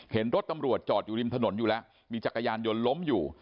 เห็นรถตำรวจจอดอยู่ริมถนนอยู่แล้วมีจักรยานยนต์ล้มอยู่